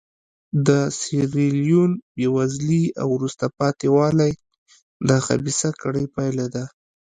د سیریلیون بېوزلي او وروسته پاتې والی د خبیثه کړۍ پایله ده.